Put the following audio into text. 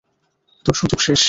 তোর সুযোগ শেষ।